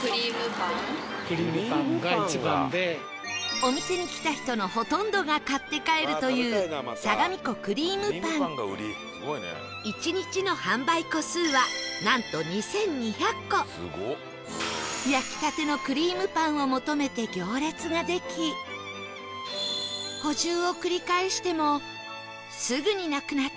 お店に来た人のほとんどが買って帰るという焼きたてのくりぃむぱんを求めて行列ができ補充を繰り返してもすぐになくなってしまうため